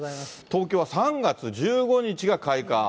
東京は３月１５日が開花。